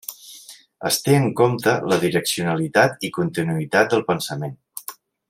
Es té en compte la direccionalitat i continuïtat del pensament.